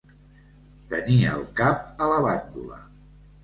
Tenir el cap a la bandola.